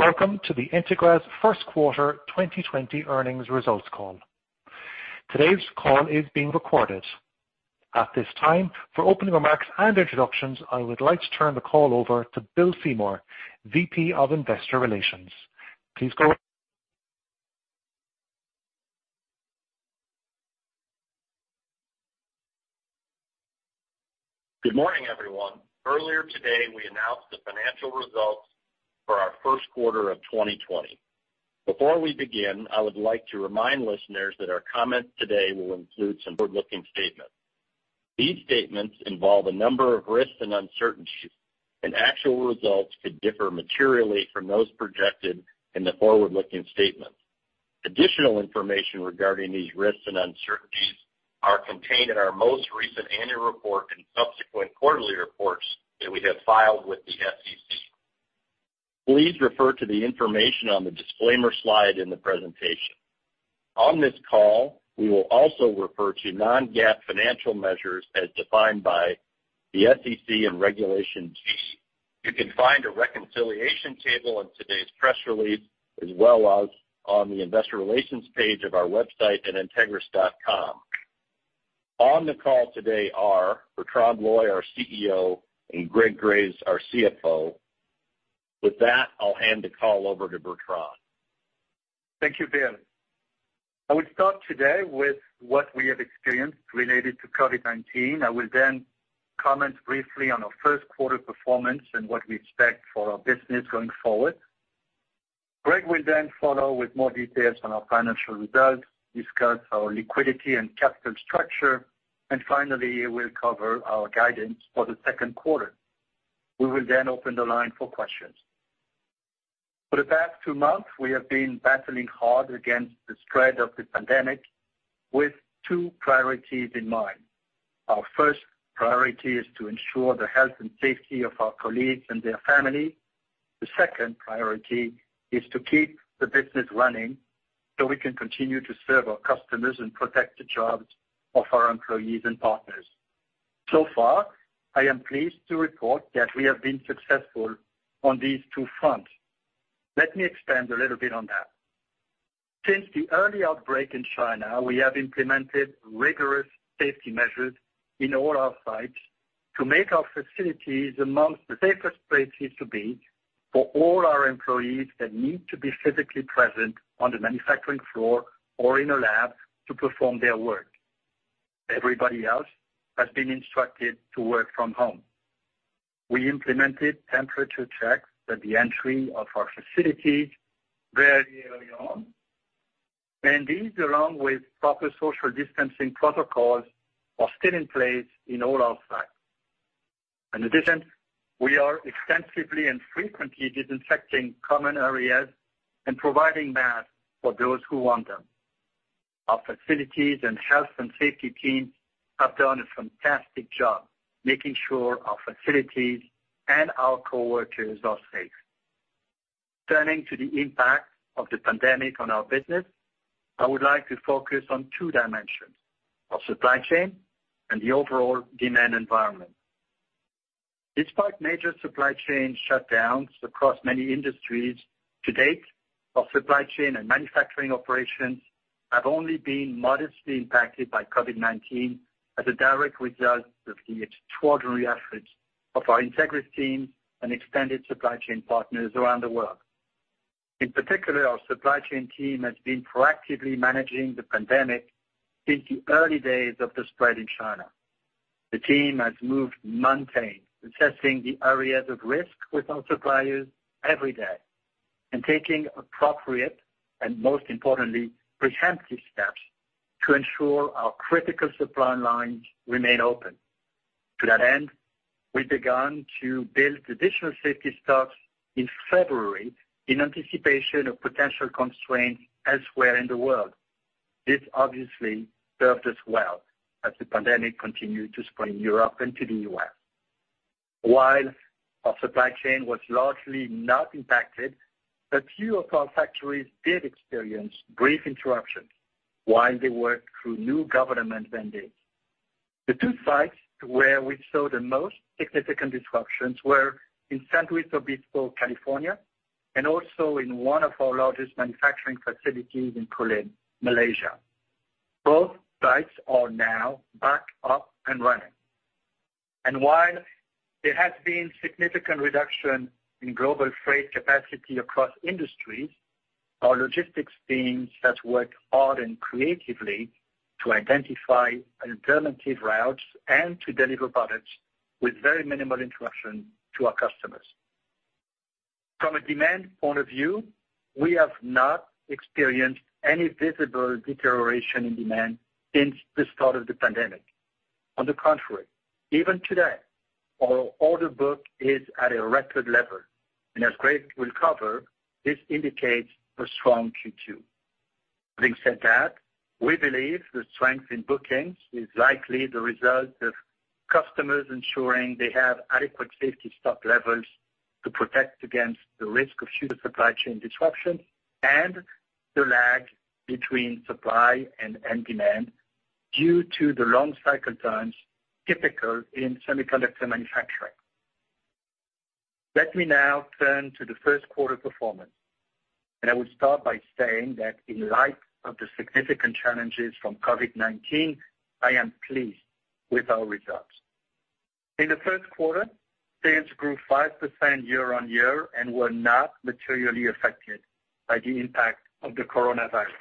Welcome to the Entegris first quarter 2020 earnings results call. Today's call is being recorded. At this time, for opening remarks and introductions, I would like to turn the call over to Bill Seymour, VP of Investor Relations. Please go- Good morning, everyone. Earlier today, we announced the financial results for our first quarter of 2020. Before we begin, I would like to remind listeners that our comments today will include some forward-looking statements. These statements involve a number of risks and uncertainties, and actual results could differ materially from those projected in the forward-looking statements. Additional information regarding these risks and uncertainties are contained in our most recent annual report and subsequent quarterly reports that we have filed with the SEC. Please refer to the information on the disclaimer slide in the presentation. On this call, we will also refer to non-GAAP financial measures as defined by the SEC and Regulations. You can find a reconciliation table in today's press release, as well as on the investor relations page of our website at entegris.com. On the call today are Bertrand Loy, our CEO, and Greg Graves, our CFO. With that, I'll hand the call over to Bertrand. Thank you, Bill. I will start today with what we have experienced related to COVID-19. I will then comment briefly on our first quarter performance and what we expect for our business going forward. Greg will then follow with more details on our financial results, discuss our liquidity and capital structure, and finally, he will cover our guidance for the second quarter. We will then open the line for questions. For the past two months, we have been battling hard against the spread of the pandemic with two priorities in mind. Our first priority is to ensure the health and safety of our colleagues and their family. The second priority is to keep the business running so we can continue to serve our customers and protect the jobs of our employees and partners. So far, I am pleased to report that we have been successful on these two fronts. Let me expand a little bit on that. Since the early outbreak in China, we have implemented rigorous safety measures in all our sites to make our facilities amongst the safest places to be for all our employees that need to be physically present on the manufacturing floor or in a lab to perform their work. Everybody else has been instructed to work from home. We implemented temperature checks at the entry of our facilities very early on, and these, along with proper social distancing protocols, are still in place in all our sites. In addition, we are extensively and frequently disinfecting common areas and providing masks for those who want them. Our facilities and health and safety teams have done a fantastic job making sure our facilities and our coworkers are safe. Turning to the impact of the pandemic on our business, I would like to focus on two dimensions, our supply chain and the overall demand environment. Despite major supply chain shutdowns across many industries to date, our supply chain and manufacturing operations have only been modestly impacted by COVID-19 as a direct result of the extraordinary efforts of our Entegris team and expanded supply chain partners around the world. In particular, our supply chain team has been proactively managing the pandemic since the early days of the spread in China. The team has moved mountains, assessing the areas of risk with our suppliers every day and taking appropriate, and most importantly, preemptive steps to ensure our critical supply lines remain open. To that end, we began to build additional safety stocks in February in anticipation of potential constraints elsewhere in the world. This obviously served us well as the pandemic continued to spread in Europe and to the U.S. While our supply chain was largely not impacted, a few of our factories did experience brief interruptions while they worked through new government mandates. The two sites where we saw the most significant disruptions were in San Luis Obispo, California, and also in one of our largest manufacturing facilities in Kulim, Malaysia. Both sites are now back up and running. While there has been significant reduction in global freight capacity across industries, our logistics teams have worked hard and creatively to identify alternative routes and to deliver products with very minimal interruption to our customers. From a demand point of view, we have not experienced any visible deterioration in demand since the start of the pandemic. On the contrary, even today, our order book is at a record level, and as Greg will cover, this indicates a strong Q2. Having said that, we believe the strength in bookings is likely the result of customers ensuring they have adequate safety stock levels to protect against the risk of future supply chain disruptions and the lag between supply and end demand. Due to the long cycle times typical in semiconductor manufacturing. Let me now turn to the first quarter performance, and I will start by saying that in light of the significant challenges from COVID-19, I am pleased with our results. In the first quarter, sales grew 5% year-on-year and were not materially affected by the impact of the coronavirus.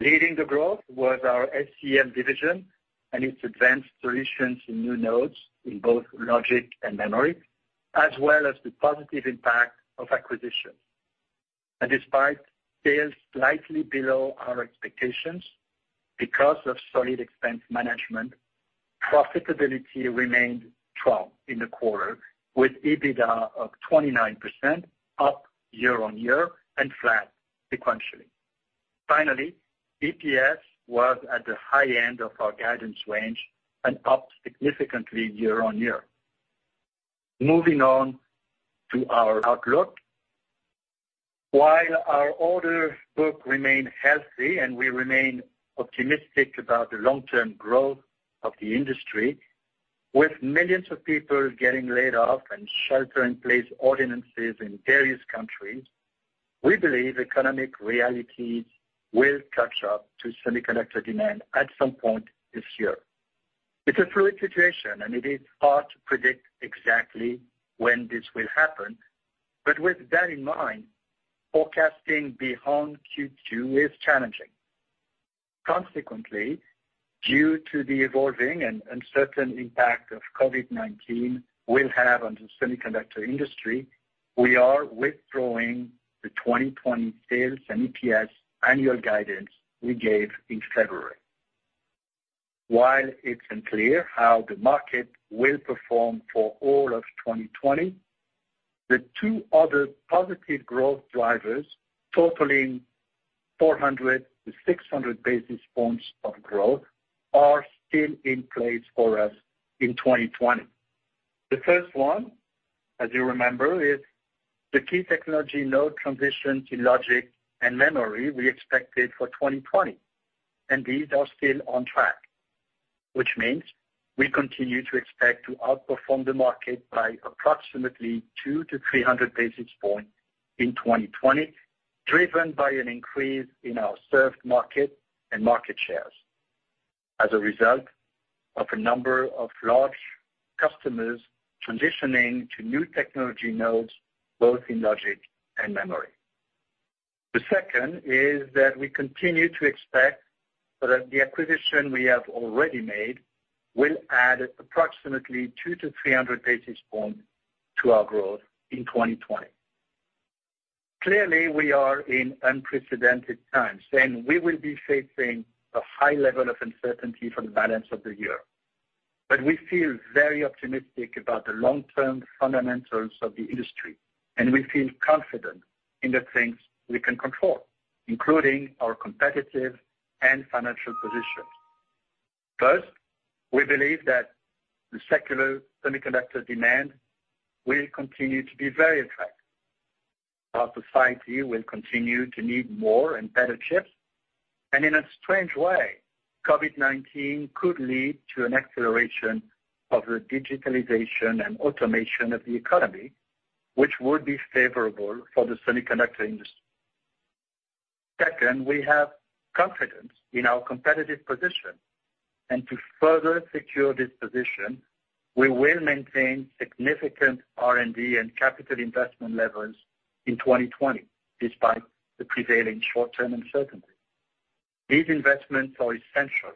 Leading the growth was our SCEM division and its advanced solutions in new nodes in both logic and memory, as well as the positive impact of acquisition. Despite sales slightly below our expectations, because of solid expense management, profitability remained strong in the quarter with EBITDA of 29% up year-on-year and flat sequentially. Finally, EPS was at the high end of our guidance range and up significantly year-on-year. Moving on to our outlook. While our orders book remain healthy and we remain optimistic about the long-term growth of the industry, with millions of people getting laid off and shelter-in-place ordinances in various countries, we believe economic realities will catch up to semiconductor demand at some point this year. It's a fluid situation, and it is hard to predict exactly when this will happen, but with that in mind, forecasting beyond Q2 is challenging. Consequently, due to the evolving and uncertain impact of COVID-19 will have on the semiconductor industry, we are withdrawing the 2020 sales and EPS annual guidance we gave in February. While it's unclear how the market will perform for all of 2020, the two other positive growth drivers totaling 400-600 basis points of growth are still in place for us in 2020. The first one, as you remember, is the key technology node transition to logic and memory we expected for 2020, and these are still on track, which means we continue to expect to outperform the market by approximately 200-300 basis points in 2020, driven by an increase in our served market and market shares as a result of a number of large customers transitioning to new technology nodes, both in logic and memory. The second is that we continue to expect that the acquisition we have already made will add approximately 200-300 basis points to our growth in 2020. Clearly, we are in unprecedented times, and we will be facing a high level of uncertainty for the balance of the year. We feel very optimistic about the long-term fundamentals of the industry, and we feel confident in the things we can control, including our competitive and financial positions. First, we believe that the secular semiconductor demand will continue to be very attractive. Our society will continue to need more and better chips. In a strange way, COVID-19 could lead to an acceleration of the digitalization and automation of the economy, which would be favorable for the semiconductor industry. Second, we have confidence in our competitive position. To further secure this position, we will maintain significant R&D and capital investment levels in 2020, despite the prevailing short-term uncertainty. These investments are essential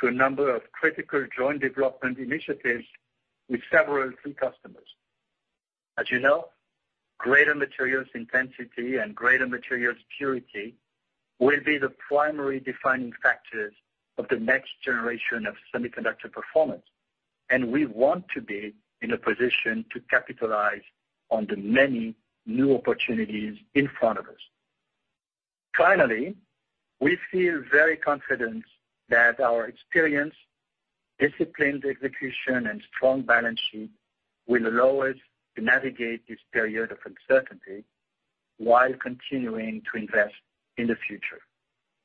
to a number of critical joint development initiatives with several key customers. As you know, greater materials intensity and greater materials purity will be the primary defining factors of the next generation of semiconductor performance, and we want to be in a position to capitalize on the many new opportunities in front of us. Finally, we feel very confident that our experience, disciplined execution, and strong balance sheet will allow us to navigate this period of uncertainty while continuing to invest in the future.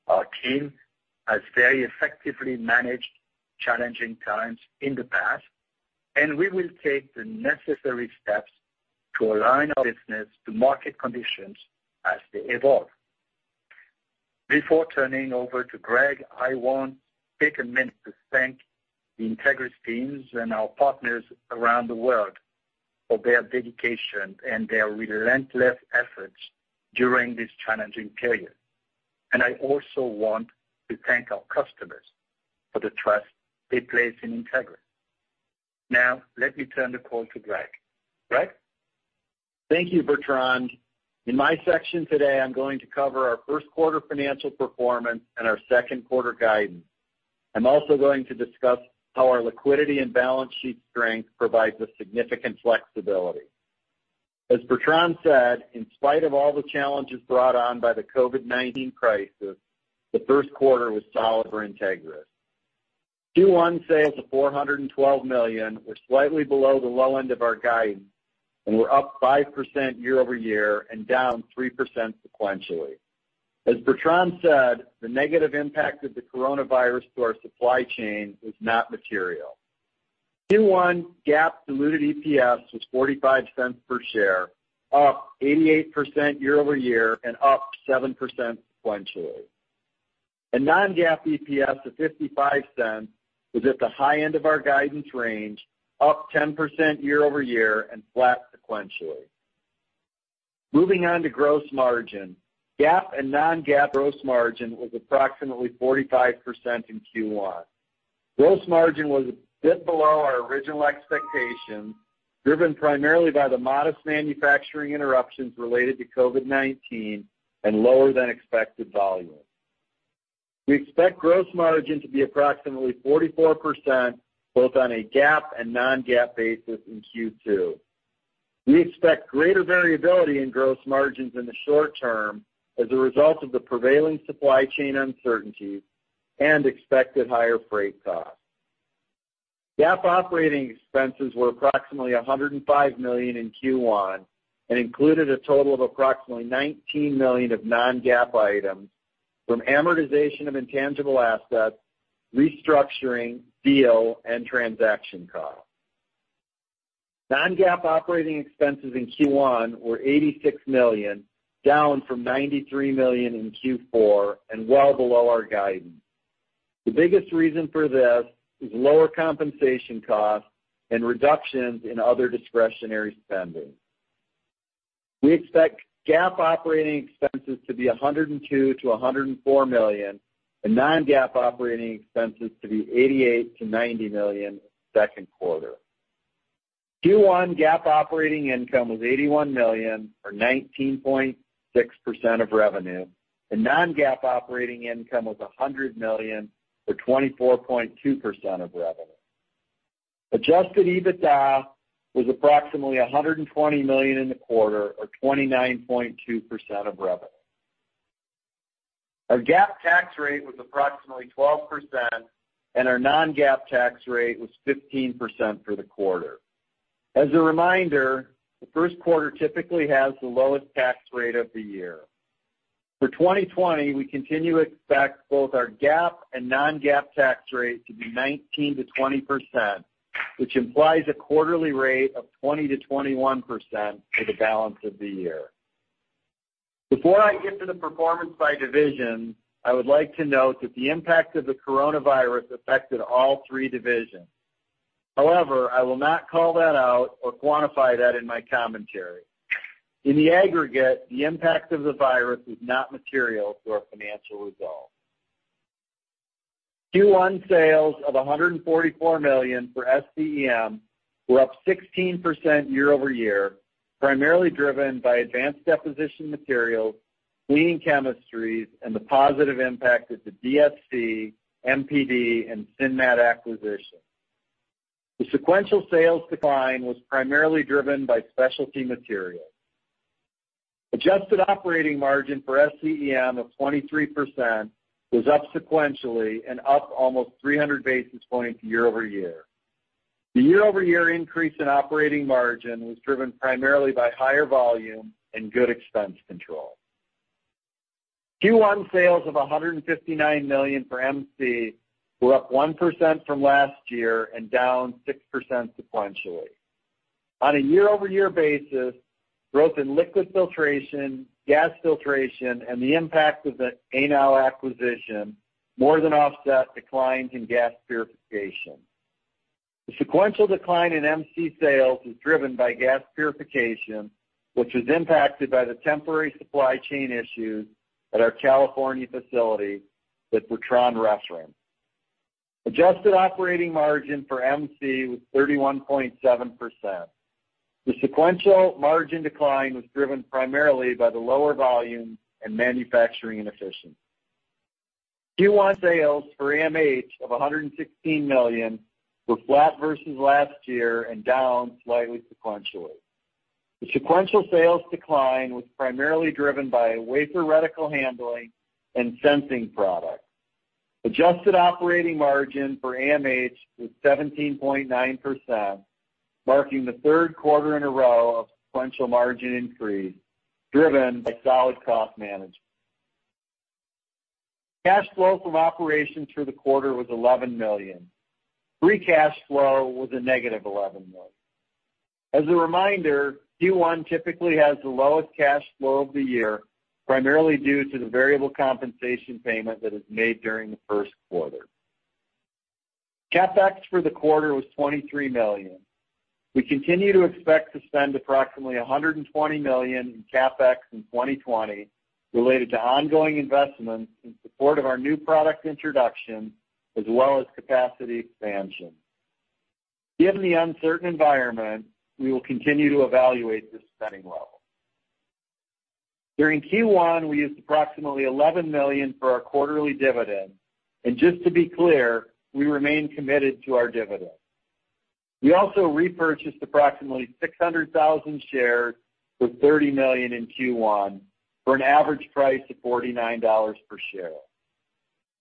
Our team has very effectively managed challenging times in the past, and we will take the necessary steps to align our business to market conditions as they evolve. Before turning over to Greg, I want to take a minute to thank the Entegris teams and our partners around the world for their dedication and their relentless efforts during this challenging period. I also want to thank our customers for the trust they place in Entegris. Now, let me turn the call to Greg. Greg? Thank you, Bertrand. In my section today, I'm going to cover our first quarter financial performance and our second quarter guidance. I'm also going to discuss how our liquidity and balance sheet strength provides us significant flexibility. As Bertrand said, in spite of all the challenges brought on by the COVID-19 crisis, the first quarter was solid for Entegris. Q1 sales of $412 million were slightly below the low end of our guidance, and we're up 5% year-over-year and down 3% sequentially. As Bertrand said, the negative impact of the coronavirus to our supply chain was not material. Q1 GAAP diluted EPS was $0.45 per share, up 88% year-over-year and up 7% sequentially. A non-GAAP EPS of $0.55 was at the high end of our guidance range, up 10% year-over-year and flat sequentially. Moving on to gross margin, GAAP and non-GAAP gross margin was approximately 45% in Q1. Gross margin was a bit below our original expectations, driven primarily by the modest manufacturing interruptions related to COVID-19 and lower than expected volumes. We expect gross margin to be approximately 44%, both on a GAAP and non-GAAP basis in Q2. We expect greater variability in gross margins in the short term as a result of the prevailing supply chain uncertainties and expected higher freight costs. GAAP operating expenses were approximately $105 million in Q1 and included a total of approximately $19 million of non-GAAP items from amortization of intangible assets, restructuring, deal, and transaction costs. Non-GAAP operating expenses in Q1 were $86 million, down from $93 million in Q4 and well below our guidance. The biggest reason for this is lower compensation costs and reductions in other discretionary spending. We expect GAAP operating expenses to be $102 million-$104 million and non-GAAP operating expenses to be $88 million-$90 million second quarter. Q1 GAAP operating income was $81 million, or 19.6% of revenue, and non-GAAP operating income was $100 million, or 24.2% of revenue. Adjusted EBITDA was approximately $120 million in the quarter, or 29.2% of revenue. Our GAAP tax rate was approximately 12%, and our non-GAAP tax rate was 15% for the quarter. As a reminder, the first quarter typically has the lowest tax rate of the year. For 2020, we continue to expect both our GAAP and non-GAAP tax rate to be 19%-20%, which implies a quarterly rate of 20%-21% for the balance of the year. Before I get to the performance by division, I would like to note that the impact of the coronavirus affected all three divisions. However, I will not call that out or quantify that in my commentary. In the aggregate, the impact of the virus was not material to our financial results. Q1 sales of $144 million for SCEM were up 16% year-over-year, primarily driven by Advanced Deposition Materials, cleaning chemistries, and the positive impact of the DSC, MPD, and Sinmat acquisitions. The sequential sales decline was primarily driven by specialty materials. Adjusted operating margin for SCEM of 23% was up sequentially and up almost 300 basis points year-over-year. The year-over-year increase in operating margin was driven primarily by higher volume and good expense control. Q1 sales of $159 million for MC were up 1% from last year and down 6% sequentially. On a year-over-year basis, growth in liquid filtration, gas filtration, and the impact of the Anow acquisition more than offset declines in gas purification. The sequential decline in MC sales was driven by gas purification, which was impacted by the temporary supply chain issues at our California facility that Bertrand referenced. Adjusted operating margin for MC was 31.7%. The sequential margin decline was driven primarily by the lower volume and manufacturing inefficiencies. Q1 sales for AMH of $116 million were flat versus last year and down slightly sequentially. The sequential sales decline was primarily driven by wafer and reticle handling and sensing products. Adjusted operating margin for AMH was 17.9%, marking the third quarter in a row of sequential margin increase, driven by solid cost management. Cash flow from operations through the quarter was $11 million. Free cash flow was a -$11 million. As a reminder, Q1 typically has the lowest cash flow of the year, primarily due to the variable compensation payment that is made during the first quarter. CapEx for the quarter was $23 million. We continue to expect to spend approximately $120 million in CapEx in 2020 related to ongoing investments in support of our new product introduction as well as capacity expansion. Given the uncertain environment, we will continue to evaluate this spending level. During Q1, we used approximately $11 million for our quarterly dividend. Just to be clear, we remain committed to our dividend. We also repurchased approximately 600,000 shares for $30 million in Q1 for an average price of $49 per share.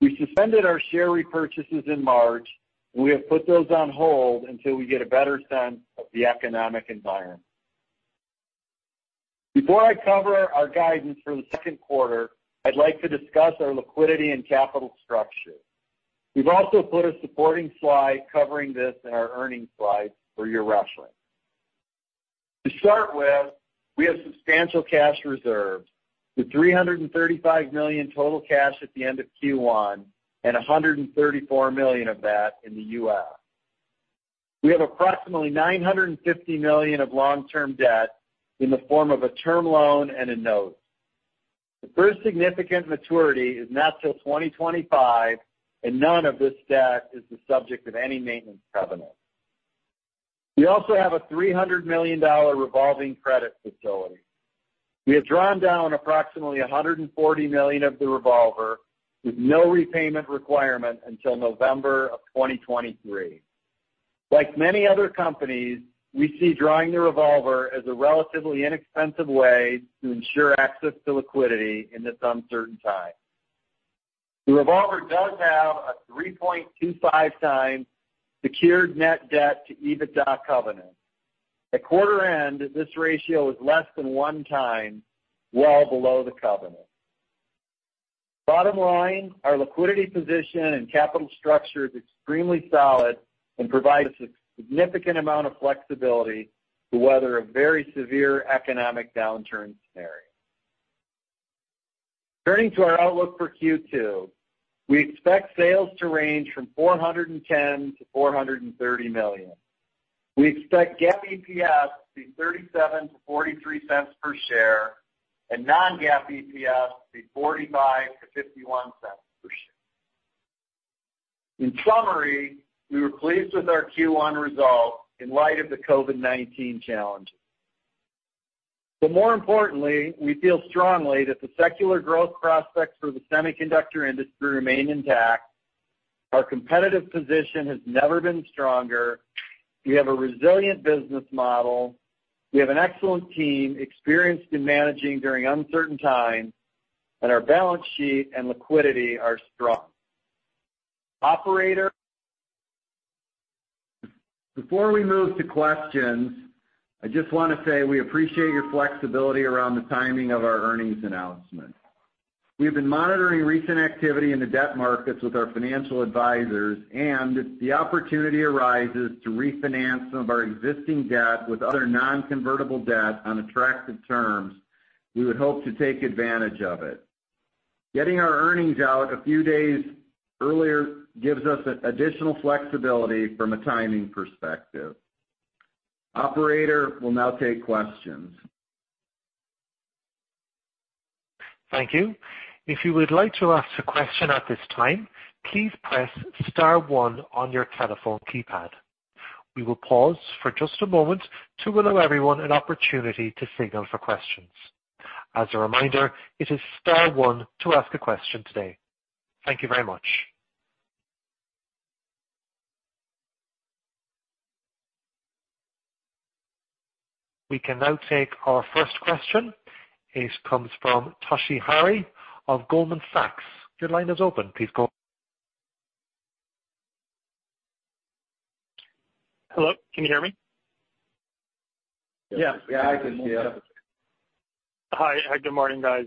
We suspended our share repurchases in March. We have put those on hold until we get a better sense of the economic environment. Before I cover our guidance for the second quarter, I'd like to discuss our liquidity and capital structure. We've also put a supporting slide covering this in our earnings slides for your reference. To start with, we have substantial cash reserves with $335 million total cash at the end of Q1 and $134 million of that in the U.S. We have approximately $950 million of long-term debt in the form of a term loan and a note. None of this debt is the subject of any maintenance covenant. We also have a $300 million revolving credit facility. We have drawn down approximately $140 million of the revolver with no repayment requirement until November of 2023. Like many other companies, we see drawing the revolver as a relatively inexpensive way to ensure access to liquidity in this uncertain time. The revolver does have a 3.25x secured net debt to EBITDA covenant. At quarter end, this ratio is less than 1x, well below the covenant. Bottom line, our liquidity position and capital structure is extremely solid and provides a significant amount of flexibility to weather a very severe economic downturn scenario. Turning to our outlook for Q2, we expect sales to range from $410 million-$430 million. We expect GAAP EPS to be $0.37-$0.43 per share, and non-GAAP EPS to be $0.45-$0.51 per share. In summary, we were pleased with our Q1 results in light of the COVID-19 challenges. More importantly, we feel strongly that the secular growth prospects for the semiconductor industry remain intact, our competitive position has never been stronger, we have a resilient business model, we have an excellent team experienced in managing during uncertain times, and our balance sheet and liquidity are strong. Operator, before we move to questions, I just want to say we appreciate your flexibility around the timing of our earnings announcement. We have been monitoring recent activity in the debt markets with our financial advisors, and if the opportunity arises to refinance some of our existing debt with other non-convertible debt on attractive terms, we would hope to take advantage of it. Getting our earnings out a few days earlier gives us additional flexibility from a timing perspective. Operator, we will now take questions. Thank you. If you would like to ask a question at this time, please press star one on your telephone keypad. We will pause for just a moment to allow everyone an opportunity to signal for questions. As a reminder, it is star one to ask a question today. Thank you very much. We can now take our first question. It comes from Toshi Hari of Goldman Sachs. Your line is open. Hello, can you hear me? Yes. Yeah, I can hear. Hi, good morning, guys.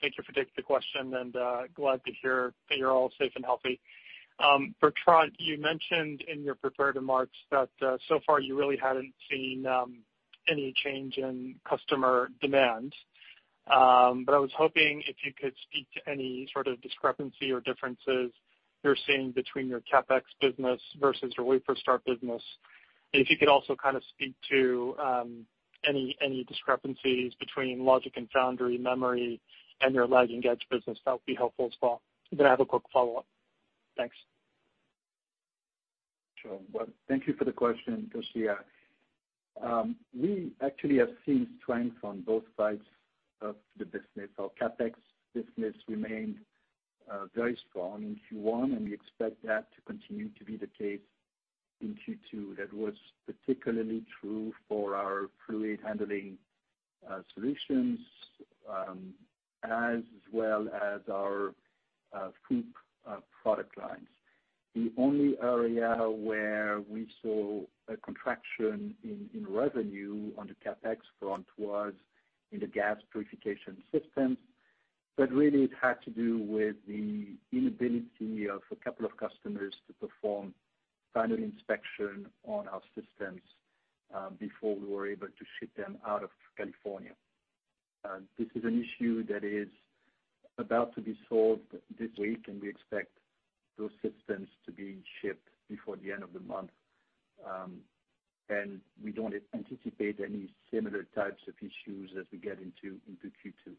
Thank you for taking the question and glad to hear that you're all safe and healthy. Bertrand, you mentioned in your prepared remarks that so far you really hadn't seen any change in customer demand. I was hoping if you could speak to any sort of discrepancy or differences you're seeing between your CapEx business versus your wafer starts business. If you could also kind of speak to any discrepancies between logic and foundry memory and your leading-edge business, that would be helpful as well. I have a quick follow-up. Thanks. Sure. Well, thank you for the question, Toshiya. We actually have seen strength on both sides of the business. Our CapEx business remained very strong in Q1, and we expect that to continue to be the case in Q2. That was particularly true for our fluid handling solutions as well as our FOUP product lines. The only area where we saw a contraction in revenue on the CapEx front was in the gas purification systems. Really it had to do with the inability of a couple of customers to perform final inspection on our systems before we were able to ship them out of California. This is an issue that is about to be solved this week, and we expect those systems to be shipped before the end of the month. We don't anticipate any similar types of issues as we get into Q2.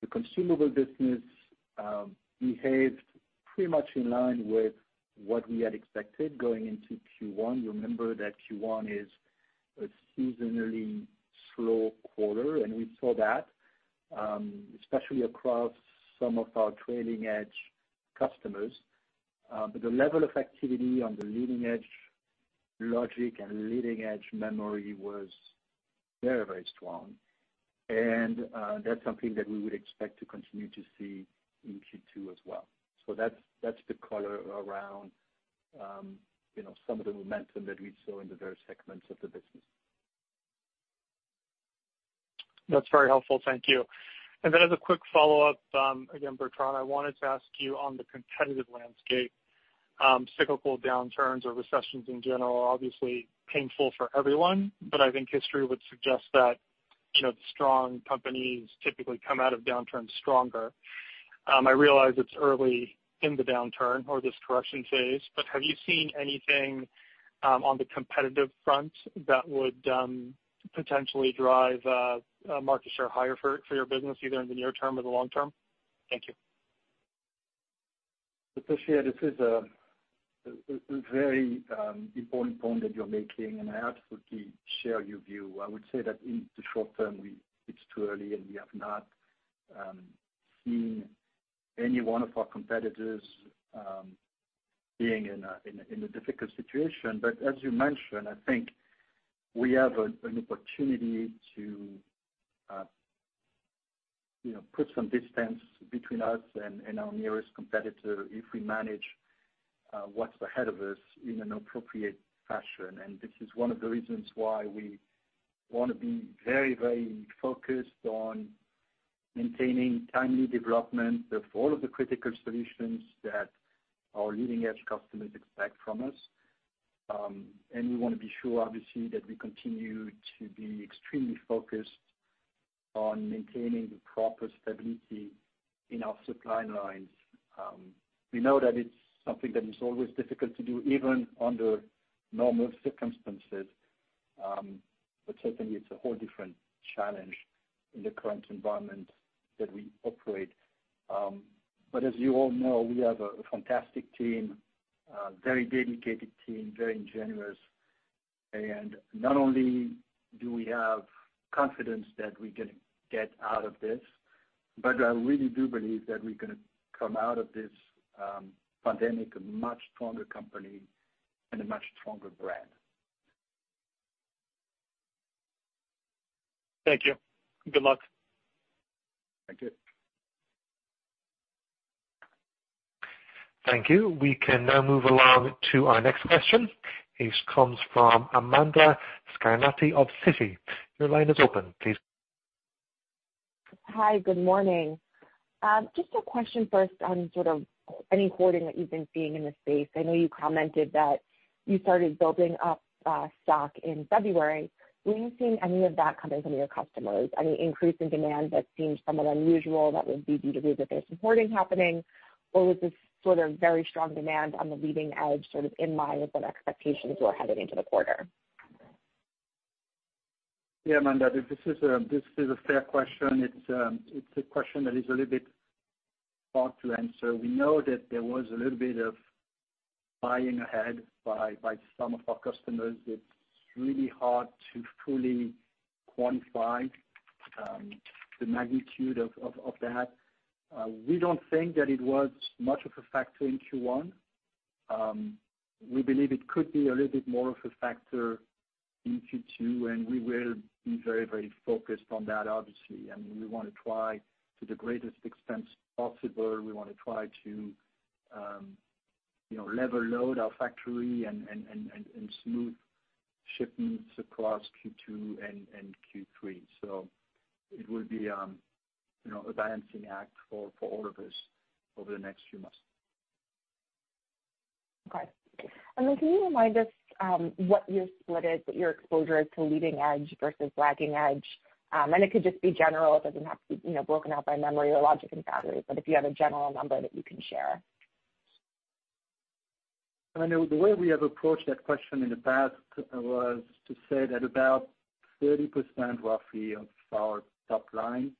The consumable business behaved pretty much in line with what we had expected going into Q1. You remember that Q1 is a seasonally slow quarter. We saw that especially across some of our trailing edge customers. The level of activity on the leading edge logic and leading edge memory was very strong. That's something that we would expect to continue to see in Q2 as well. That's the color around some of the momentum that we saw in the various segments of the business. That's very helpful. Thank you. As a quick follow-up, again, Bertrand, I wanted to ask you on the competitive landscape, cyclical downturns or recessions in general are obviously painful for everyone, but I think history would suggest that the strong companies typically come out of downturns stronger. I realize it's early in the downturn or this correction phase, but have you seen anything on the competitive front that would potentially drive market share higher for your business, either in the near term or the long term? Thank you. Look, Toshiya, this is a very important point that you're making. I absolutely share your view. I would say that in the short term, it's too early and we have not seen any one of our competitors being in a difficult situation. As you mentioned, I think we have an opportunity to put some distance between us and our nearest competitor if we manage what's ahead of us in an appropriate fashion. This is one of the reasons why we want to be very focused on maintaining timely development of all of the critical solutions that our leading edge customers expect from us. We want to be sure, obviously, that we continue to be extremely focused on maintaining the proper stability in our supply lines. We know that it's something that is always difficult to do, even under normal circumstances, but certainly it's a whole different challenge in the current environment that we operate. As you all know, we have a fantastic team, a very dedicated team, very ingenious. Not only do we have confidence that we're going to get out of this, but I really do believe that we're going to come out of this pandemic a much stronger company and a much stronger brand. Thank you. Good luck. Thank you. Thank you. We can now move along to our next question, which comes from Amanda Scarnati of Citi. Your line is open, please. Hi, good morning. Just a question first on sort of any hoarding that you've been seeing in the space. I know you commented that you started building up stock in February. Were you seeing any of that coming from your customers? Any increase in demand that seems somewhat unusual that would lead you to believe that there's some hoarding happening? Was this sort of very strong demand on the leading edge sort of in line with what expectations were headed into the quarter? Yeah, Amanda, this is a fair question. It's a question that is a little bit hard to answer. We know that there was a little bit of buying ahead by some of our customers. It's really hard to fully quantify the magnitude of that. We don't think that it was much of a factor in Q1. We believe it could be a little bit more of a factor in Q2, and we will be very focused on that, obviously. I mean, we want to try to the greatest extent possible. We want to try to level load our factory and smooth shipments across Q2 and Q3. It will be a balancing act for all of us over the next few months. Okay. Can you remind us what your split is, what your exposure is to leading edge versus lagging edge? It could just be general. It doesn't have to be broken out by memory or logic and fabric, but if you have a general number that you can share. Amanda, the way we have approached that question in the past was to say that about 30%, roughly, of our top line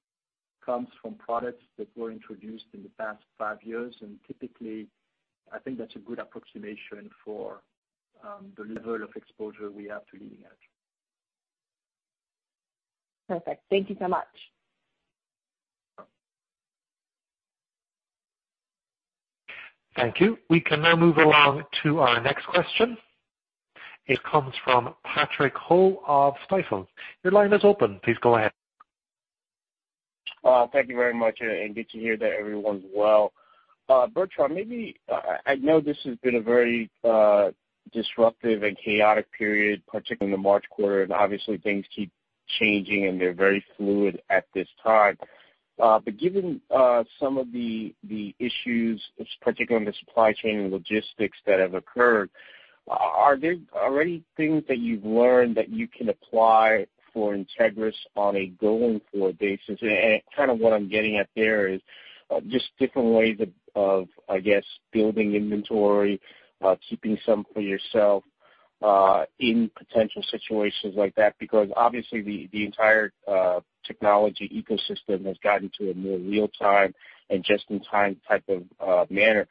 comes from products that were introduced in the past five years. Typically, I think that's a good approximation for the level of exposure we have to leading edge. Perfect. Thank you so much. Thank you. We can now move along to our next question. It comes from Patrick Ho of Stifel. Your line is open. Please go ahead. Thank you very much. Good to hear that everyone's well. Bertrand, I know this has been a very disruptive and chaotic period, particularly in the March quarter, and obviously things keep changing and they're very fluid at this time. Given some of the issues, particularly in the supply chain and logistics that have occurred, are there already things that you've learned that you can apply for Entegris on a going-forward basis? Kind of what I'm getting at there is just different ways of, I guess, building inventory, keeping some for yourself, in potential situations like that, because obviously the entire technology ecosystem has gotten to a more real-time and just-in-time type of manner.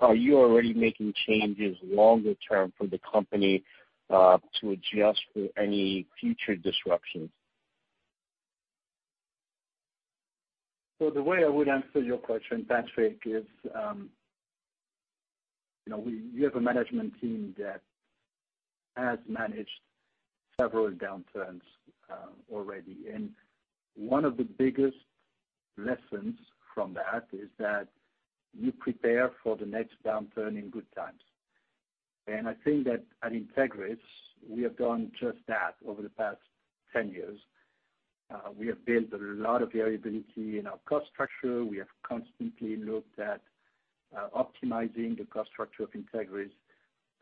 Are you already making changes longer term for the company to adjust for any future disruptions? The way I would answer your question, Patrick, is we have a management team that has managed several downturns already. One of the biggest lessons from that is that you prepare for the next downturn in good times. I think that at Entegris, we have done just that over the past 10 years. We have built a lot of variability in our cost structure. We have constantly looked at optimizing the cost structure of Entegris,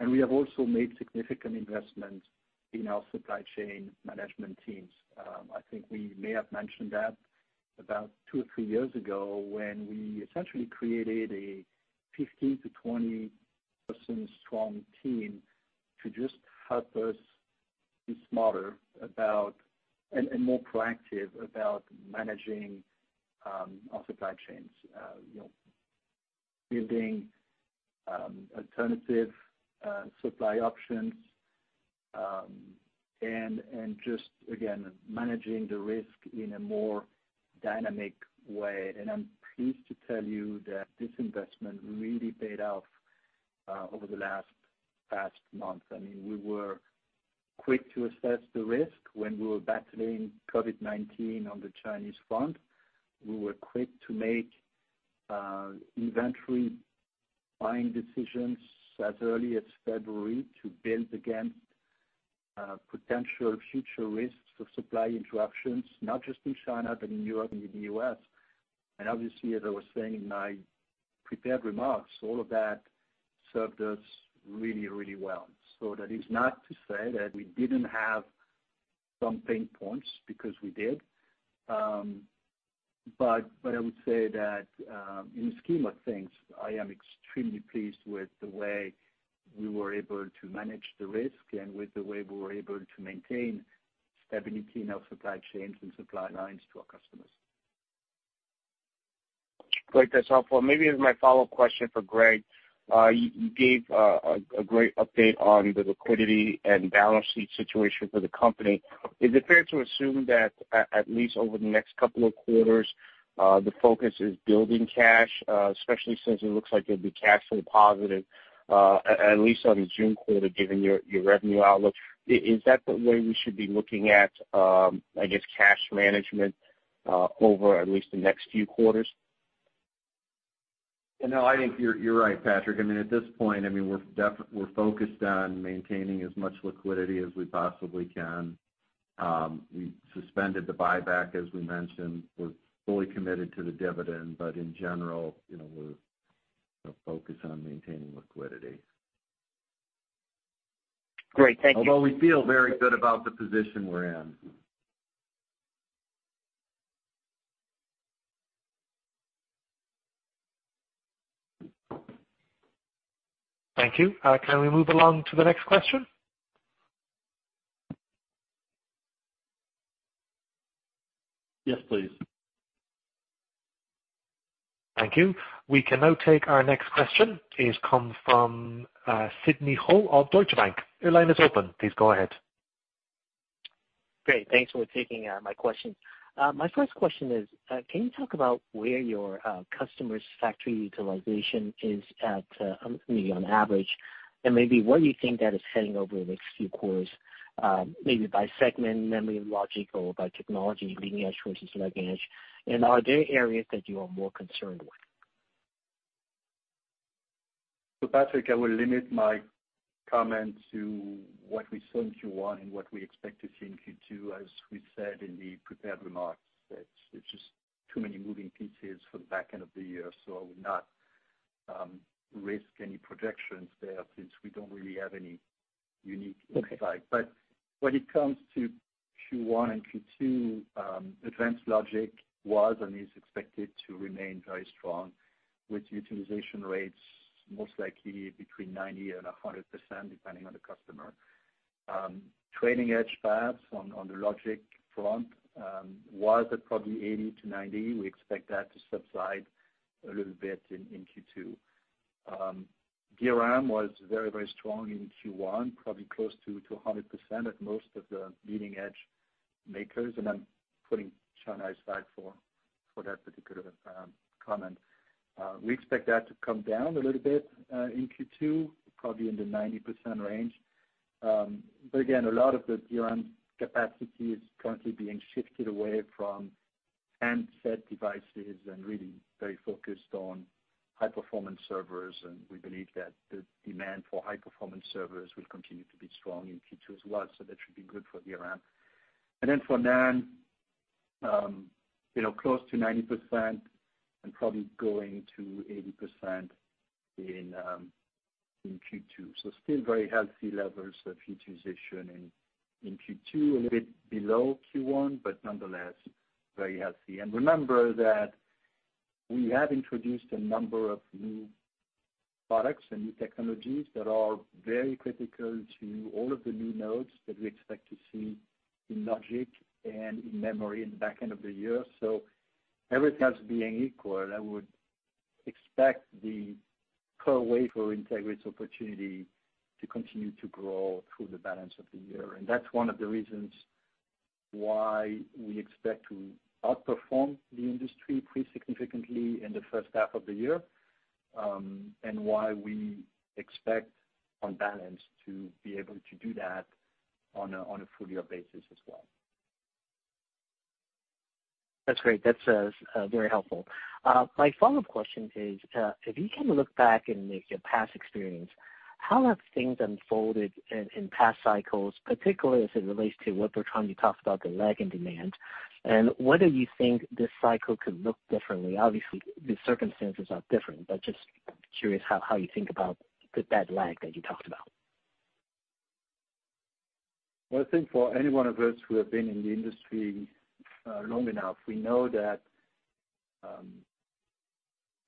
and we have also made significant investments in our supply chain management teams. I think we may have mentioned that about two or three years ago when we essentially created a 15-20 person strong team to just help us be smarter about, and more proactive about managing our supply chains. Building alternative supply options, and just, again, managing the risk in a more dynamic way. I'm pleased to tell you that this investment really paid off over the last month. I mean, we were quick to assess the risk when we were battling COVID-19 on the Chinese front. We were quick to make inventory buying decisions as early as February to build against potential future risks of supply interruptions, not just in China, but in Europe and in the U.S. Obviously, as I was saying in my prepared remarks, all of that served us really, really well. That is not to say that we didn't have some pain points, because we did. What I would say, in scheme of things, I am extremely pleased with the way we were able to manage the risk and with the way we were able to maintain stability in our supply chains and supply lines to our customers. Great. That's helpful. Maybe as my follow-up question for Greg. You gave a great update on the liquidity and balance sheet situation for the company. Is it fair to assume that at least over the next couple of quarters, the focus is building cash, especially since it looks like you'll be cash flow positive, at least on the June quarter, given your revenue outlook? Is that the way we should be looking at, I guess, cash management, over at least the next few quarters? No, I think you're right, Patrick. I mean, at this point, we're focused on maintaining as much liquidity as we possibly can. We suspended the buyback, as we mentioned. In general, we're focused on maintaining liquidity. Great. Thank you. Although we feel very good about the position we're in. Thank you. Can we move along to the next question? Yes, please. Thank you. We can now take our next question. It has come from Sidney Ho of Deutsche Bank. Your line is open. Please go ahead. Great. Thanks for taking my question. My first question is, can you talk about where your customers factory utilization is at, maybe on average? Maybe where you think that is heading over the next few quarters, maybe by segment, memory, logic, or by technology, leading edge versus trailing edge. Are there areas that you are more concerned with? Patrick, I will limit my comment to what we saw in Q1 and what we expect to see in Q2, as we said in the prepared remarks, that it's just too many moving pieces for the back end of the year. I would not risk any projections there since we don't really have any unique insight. Okay. When it comes to Q1 and Q2, advanced logic was and is expected to remain very strong, with utilization rates most likely between 90%-100%, depending on the customer. Trailing edge fabs on the logic front, was at probably 80%-90%. We expect that to subside a little bit in Q2. DRAM was very strong in Q1, probably close to 100% at most of the leading edge makers, and I'm putting China aside for that particular comment. We expect that to come down a little bit, in Q2, probably in the 90% range. Again, a lot of the DRAM capacity is currently being shifted away from handset devices and really very focused on high-performance servers, and we believe that the demand for high-performance servers will continue to be strong in Q2 as well, so that should be good for DRAM. For NAND, close to 90% and probably going to 80% in Q2. Still very healthy levels of utilization in Q2, a little bit below Q1, nonetheless, very healthy. Remember that we have introduced a number of new products and new technologies that are very critical to all of the new nodes that we expect to see in logic and in memory in the back end of the year. Everything else being equal, I would expect the per wafer Entegris opportunity to continue to grow through the balance of the year. That's one of the reasons why we expect to outperform the industry pretty significantly in the first half of the year, and why we expect on balance to be able to do that on a full year basis as well. That's great. That's very helpful. My follow-up question is, if you kind of look back and make your past experience, how have things unfolded in past cycles, particularly as it relates to what Bertrand you talked about, the lag in demand? Whether you think this cycle could look differently. Obviously, the circumstances are different, but just curious how you think about that lag that you talked about. Well, I think for any one of us who have been in the industry long enough, we know that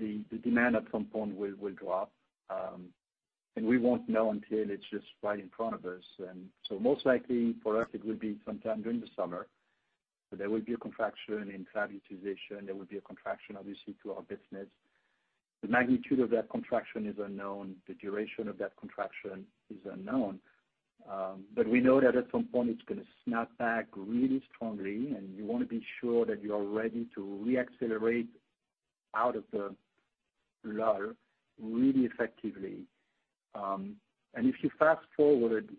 the demand at some point will drop. We won't know until it's just right in front of us. Most likely for us, it will be sometime during the summer, there will be a contraction in fab utilization, there will be a contraction, obviously, to our business. The magnitude of that contraction is unknown. The duration of that contraction is unknown. We know that at some point, it's going to snap back really strongly, and you want to be sure that you are ready to re-accelerate out of the lull really effectively. If you fast forward,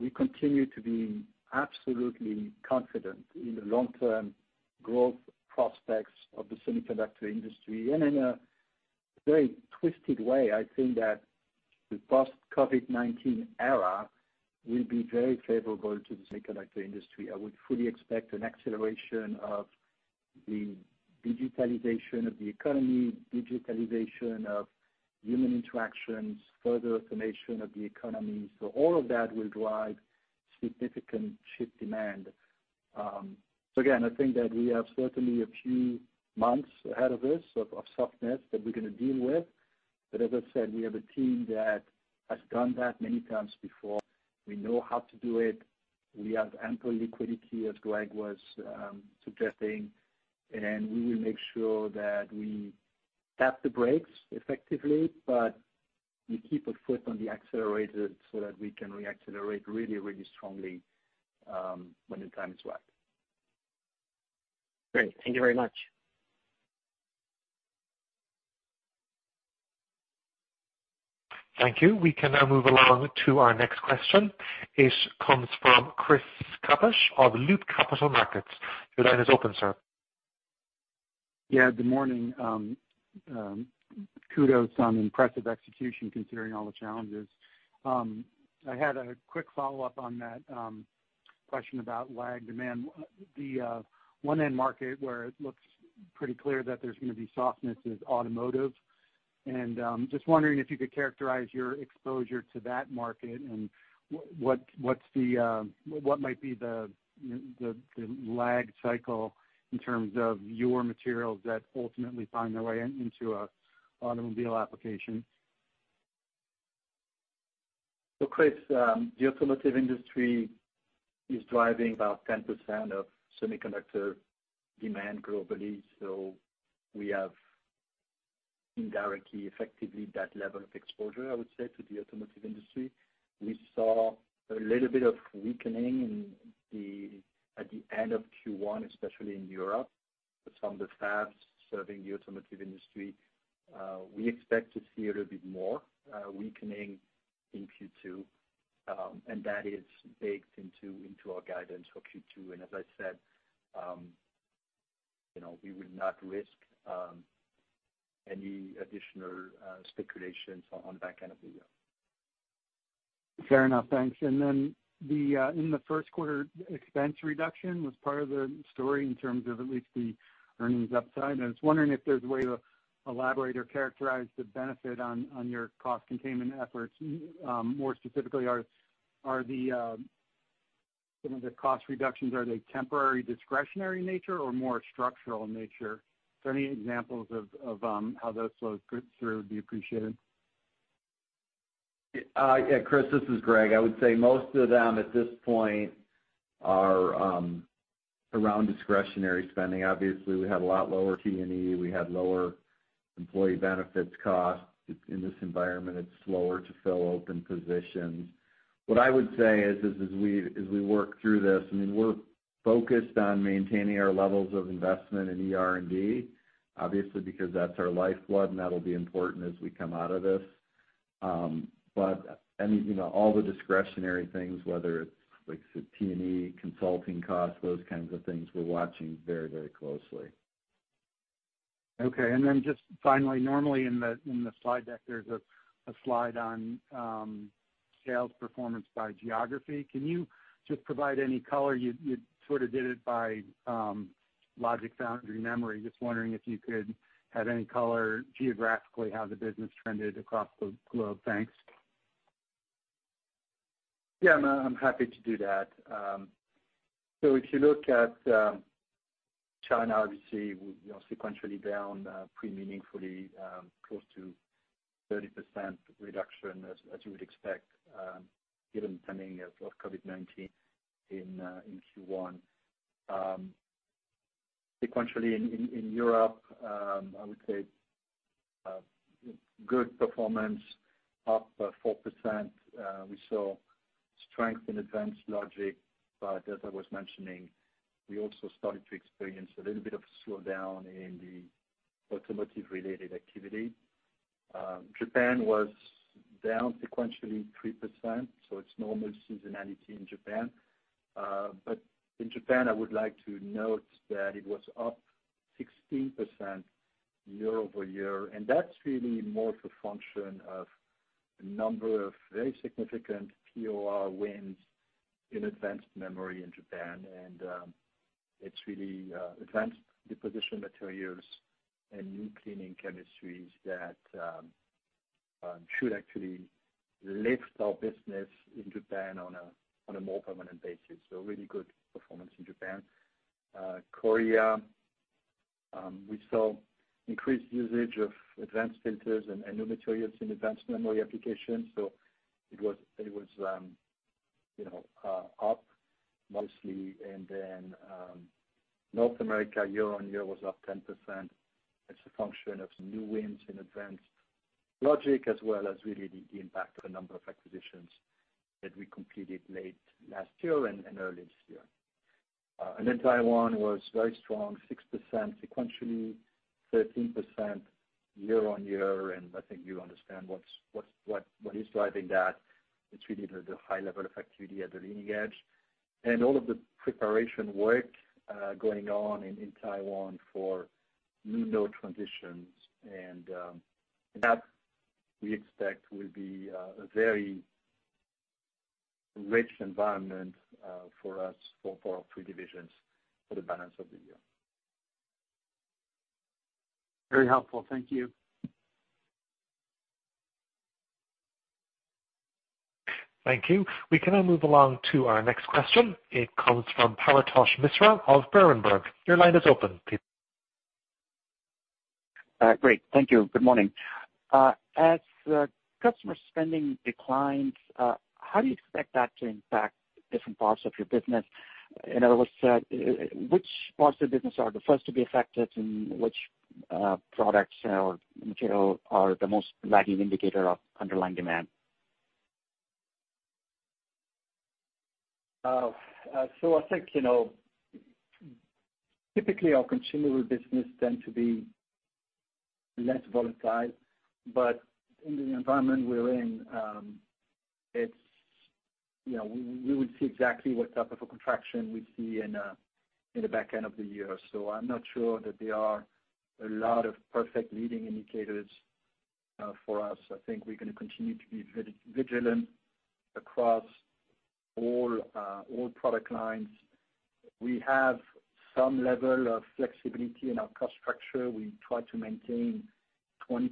we continue to be absolutely confident in the long-term growth prospects of the semiconductor industry. In a very twisted way, I think that the post-COVID-19 era will be very favorable to the semiconductor industry. I would fully expect an acceleration of the digitalization of the economy, digitalization of human interactions, further automation of the economy. All of that will drive significant chip demand. Again, I think that we have certainly a few months ahead of us of softness that we're going to deal with. As I said, we have a team that has done that many times before. We know how to do it. We have ample liquidity, as Greg was suggesting, and we will make sure that we tap the brakes effectively, but we keep a foot on the accelerator so that we can re-accelerate really, really strongly, when the time is right. Great. Thank you very much. Thank you. We can now move along to our next question. It comes from Chris Kapsch of Loop Capital Markets. Your line is open, sir. Yeah, good morning. Kudos on impressive execution considering all the challenges. I had a quick follow-up on that question about lag demand. The one end market where it looks pretty clear that there's going to be softness is automotive. Just wondering if you could characterize your exposure to that market and what might be the lag cycle in terms of your materials that ultimately find their way into an automobile application. Chris, the automotive industry is driving about 10% of semiconductor demand globally. We have indirectly, effectively that level of exposure, I would say, to the automotive industry. We saw a little bit of weakening at the end of Q1, especially in Europe, from the fabs serving the automotive industry. We expect to see a little bit more weakening in Q2. That is baked into our guidance for Q2. As I said, we would not risk any additional speculations on that end of the year. Fair enough. Thanks. Then, in the first quarter, expense reduction was part of the story in terms of at least the earnings upside. I was wondering if there's a way to elaborate or characterize the benefit on your cost containment efforts. More specifically, some of the cost reductions, are they temporary discretionary in nature or more structural in nature? Is there any examples of how those flows through? It would be appreciated. Yeah, Chris, this is Greg. I would say most of them at this point are around discretionary spending. Obviously, we had a lot lower T&E, we had lower employee benefits costs. In this environment, it's slower to fill open positions. What I would say is, as we work through this, we're focused on maintaining our levels of investment in R&D, obviously, because that's our lifeblood, and that'll be important as we come out of this. All the discretionary things, whether it's T&E, consulting costs, those kinds of things, we're watching very, very closely. Okay. Just finally, normally in the slide deck, there's a slide on sales performance by geography. Can you just provide any color? You sort of did it by logic foundry memory. Just wondering if you could have any color geographically, how the business trended across the globe. Thanks. Yeah, I'm happy to do that. If you look at China, obviously, sequentially down pretty meaningfully, close to 30% reduction as you would expect, given the timing of COVID-19 in Q1. Sequentially in Europe, I would say, good performance, up 4%. We saw strength in advanced logic, but as I was mentioning, we also started to experience a little bit of a slowdown in the automotive-related activity. Japan was down sequentially 3%, so it's normal seasonality in Japan. In Japan, I would like to note that it was up 16% year-over-year, and that's really more of a function of a number of very significant POR wins in advanced memory in Japan. It's really Advanced Deposition Materials and new cleaning chemistries that should actually lift our business in Japan on a more permanent basis. Really good performance in Japan. Korea, we saw increased usage of advanced filters and new materials in advanced memory applications. It was up mostly. North America year-on-year was up 10%. It's a function of some new wins in advanced logic as well as really the impact of a number of acquisitions that we completed late last year and early this year. Taiwan was very strong, 6% sequentially, 13% year-on-year. I think you understand what is driving that. It's really the high level of activity at the leading edge and all of the preparation work going on in Taiwan for new node transitions. That, we expect, will be a very rich environment for us for our three divisions for the balance of the year. Very helpful. Thank you. Thank you. We can now move along to our next question. It comes from Paretosh Misra of Berenberg. Your line is open. Great. Thank you. Good morning. As customer spending declines, how do you expect that to impact different parts of your business? In other words, which parts of the business are the first to be affected, and which products or material are the most lagging indicator of underlying demand? I think, typically, our consumable business tends to be less volatile. In the environment we're in, we will see exactly what type of a contraction we see in the back end of the year. I'm not sure that there are a lot of perfect leading indicators for us. I think we're going to continue to be very vigilant across all product lines. We have some level of flexibility in our cost structure. We try to maintain 20%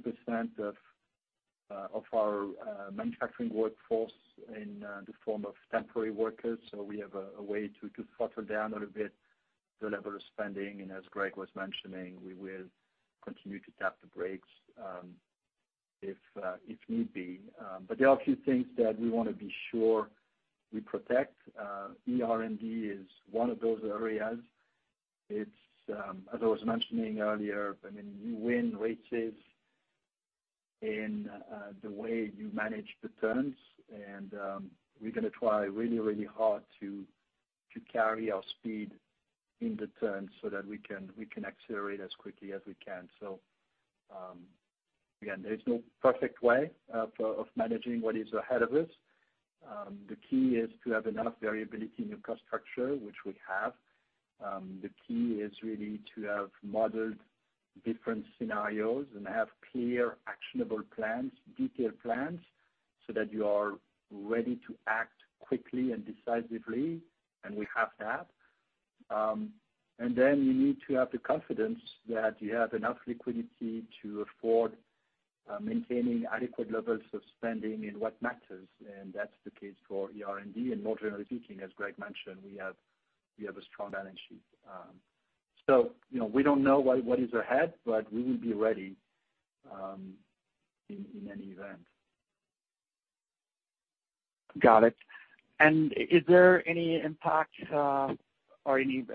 of our manufacturing workforce in the form of temporary workers. We have a way to throttle down a little bit the level of spending. As Greg was mentioning, we will continue to tap the brakes if need be. There are a few things that we want to be sure we protect. R&D is one of those areas. As I was mentioning earlier, you win races in the way you manage the turns, and we're going to try really hard to carry our speed in the turns so that we can accelerate as quickly as we can. Again, there is no perfect way of managing what is ahead of us. The key is to have enough variability in your cost structure, which we have. The key is really to have modeled different scenarios and have clear, actionable plans, detailed plans, so that you are ready to act quickly and decisively, and we have that. You need to have the confidence that you have enough liquidity to afford maintaining adequate levels of spending in what matters. That's the case for R&D and more generally speaking, as Greg mentioned, we have a strong balance sheet. We don't know what is ahead, but we will be ready in any event. Got it. Is there any impact or any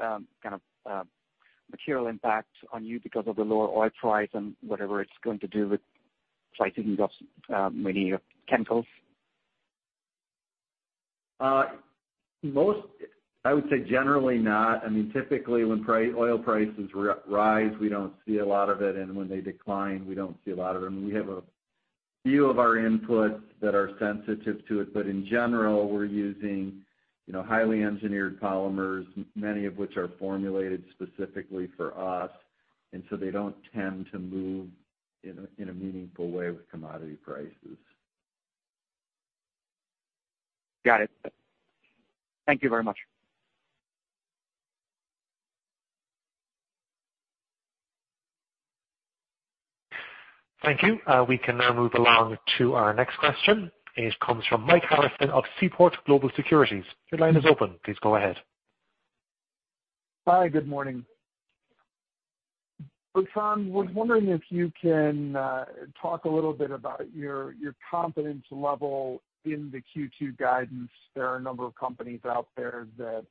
kind of material impact on you because of the lower oil price and whatever it's going to do with pricing of many of your chemicals? I would say generally not. Typically, when oil prices rise, we don't see a lot of it, and when they decline, we don't see a lot of them. We have a few of our inputs that are sensitive to it, but in general, we're using highly engineered polymers, many of which are formulated specifically for us, and so they don't tend to move in a meaningful way with commodity prices. Got it. Thank you very much. Thank you. We can now move along to our next question. It comes from Mike Harrison of Seaport Global Securities. Your line is open. Please go ahead. Hi, good morning. Bertrand, I was wondering if you can talk a little bit about your confidence level in the Q2 guidance. There are a number of companies out there that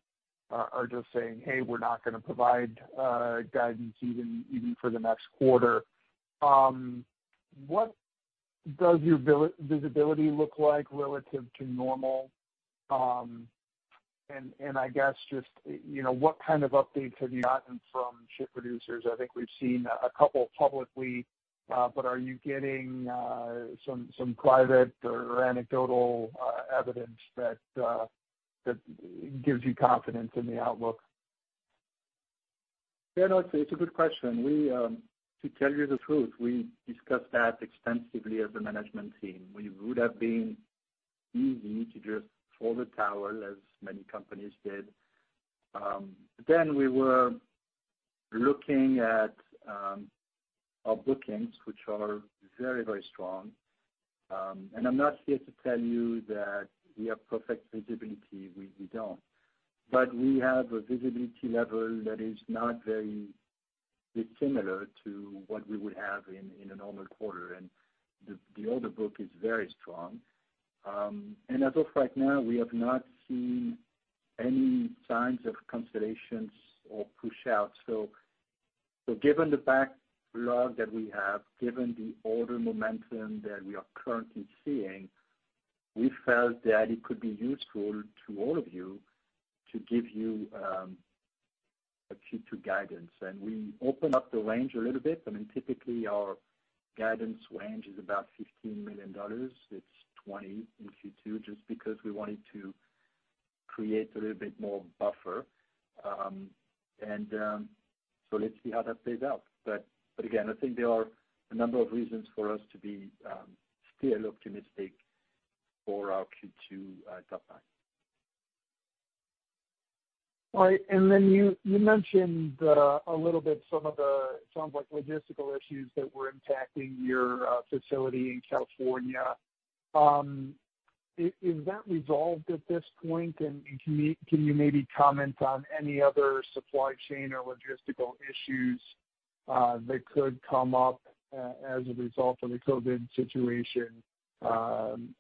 are just saying, "Hey, we're not going to provide guidance even for the next quarter." What does your visibility look like relative to normal? I guess, just what kind of updates have you gotten from chip producers? I think we've seen a couple publicly, but are you getting some private or anecdotal evidence that gives you confidence in the outlook? Yeah, no, it's a good question. To tell you the truth, we discussed that extensively as a management team. It would have been easy to just throw the towel, as many companies did. We were looking at our bookings, which are very strong. I'm not here to tell you that we have perfect visibility. We don't. We have a visibility level that is not very dissimilar to what we would have in a normal quarter. The order book is very strong. As of right now, we have not seen any signs of cancellations or push-outs. Given the backlog that we have, given the order momentum that we are currently seeing, we felt that it could be useful to all of you to give you a Q2 guidance. We opened up the range a little bit. Typically, our guidance range is about $15 million. It's $20 million in Q2, just because we wanted to create a little bit more buffer. Let's see how that plays out. Again, I think there are a number of reasons for us to be still optimistic for our Q2 top line. All right. You mentioned a little bit some of the, it sounds like logistical issues that were impacting your facility in California. Is that resolved at this point? Can you maybe comment on any other supply chain or logistical issues that could come up as a result of the COVID-19 situation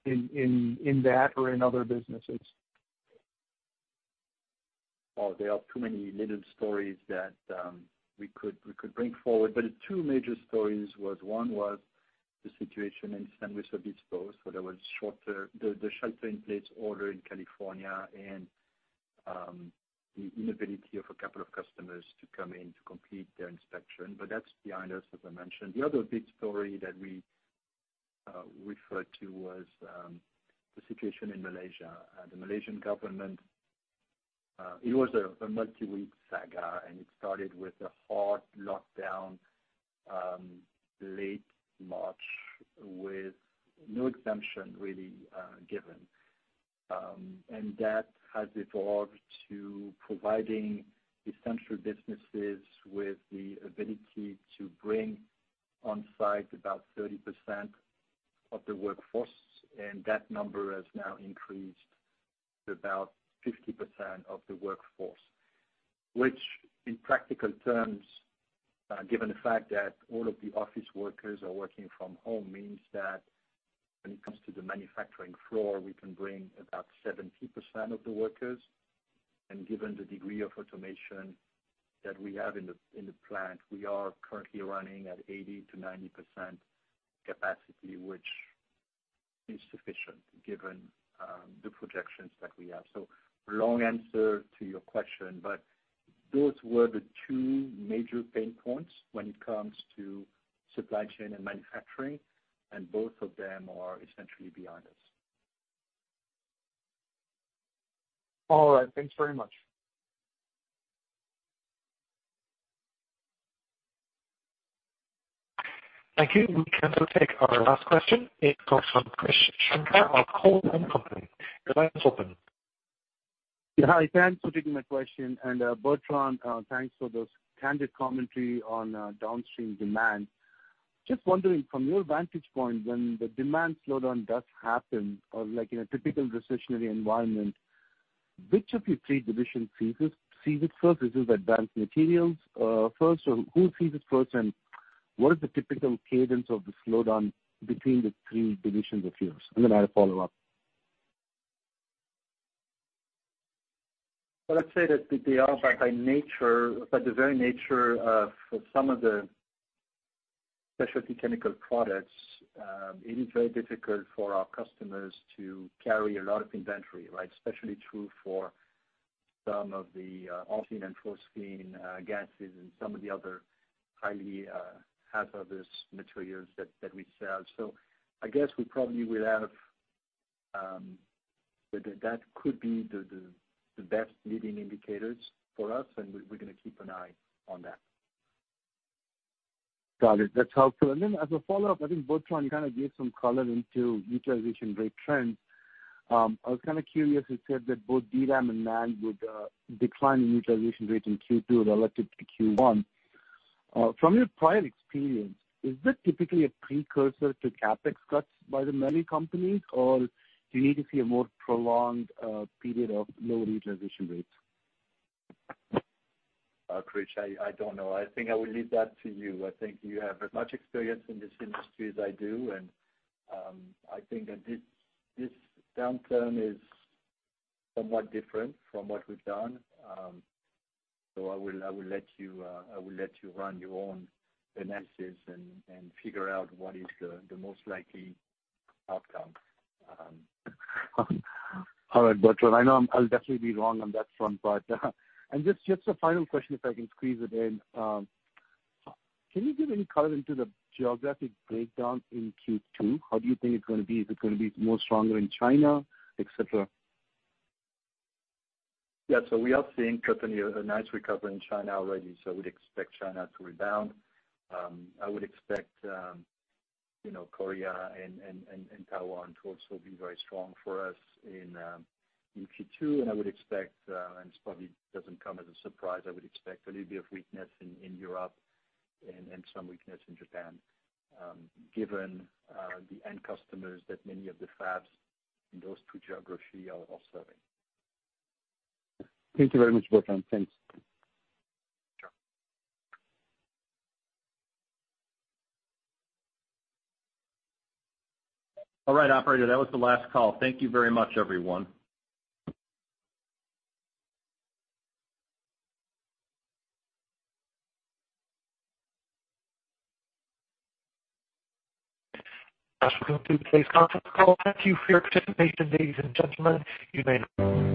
in that or in other businesses? There are too many little stories that we could bring forward. The two major stories was, one was the situation in San Francisco, where there was the shelter-in-place order in California and the inability of a couple of customers to come in to complete their inspection. That's behind us, as I mentioned. The other big story that we referred to was the situation in Malaysia. The Malaysian government, it was a multi-week saga, and it started with a hard lockdown late March with no exemption really given. That has evolved to providing essential businesses with the ability to bring on-site about 30% of the workforce. That number has now increased to about 50% of the workforce. Which, in practical terms, given the fact that all of the office workers are working from home, means that when it comes to the manufacturing floor, we can bring about 70% of the workers. Given the degree of automation that we have in the plant, we are currently running at 80%-90% capacity, which is sufficient given the projections that we have. Long answer to your question, but those were the two major pain points when it comes to supply chain and manufacturing, and both of them are essentially behind us. All right. Thanks very much. Thank you. We can now take our last question. It comes from Krish Sankar of Cowen and Company. Your line is open. Hi. Thanks for taking my question. Bertrand, thanks for the candid commentary on downstream demand. Just wondering, from your vantage point, when the demand slowdown does happen, or like in a typical recessionary environment, which of your three divisions sees it first? Is it advanced materials first, or who sees it first, and what is the typical cadence of the slowdown between the three divisions of yours? I have a follow-up. Well, let's say that they are by nature, by the very nature of some of the specialty chemical products, it is very difficult for our customers to carry a lot of inventory, right? Especially true for some of the olefin and phosphine gases and some of the other highly hazardous materials that we sell. I guess we probably will have That could be the best leading indicators for us, and we're going to keep an eye on that. Got it. That's helpful. As a follow-up, I think Bertrand, you kind of gave some color into utilization rate trends. I was kind of curious. You said that both DRAM and NAND would decline in utilization rate in Q2 relative to Q1. From your prior experience, is this typically a precursor to CapEx cuts by the memory companies, or do you need to see a more prolonged period of lower utilization rates? Krish, I don't know. I think I will leave that to you. I think you have as much experience in this industry as I do. I think that this downturn is somewhat different from what we've done. I will let you run your own analysis and figure out what is the most likely outcome. All right, Bertrand. I know I'll definitely be wrong on that front, but. Just a final question, if I can squeeze it in. Can you give any color into the geographic breakdown in Q2? How do you think it's going to be? Is it going to be more stronger in China, et cetera? Yeah. We are seeing certainly a nice recovery in China already. We'd expect China to rebound. I would expect Korea and Taiwan to also be very strong for us in Q2. I would expect, and this probably doesn't come as a surprise, I would expect a little bit of weakness in Europe and some weakness in Japan, given the end customers that many of the fabs in those two geography are serving. Thank you very much, Bertrand. Thanks. Sure. All right, operator. That was the last call. Thank you very much, everyone. That's going to do the case conference call. Thank you for your participation. Ladies and gentlemen, you may-